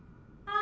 「あ」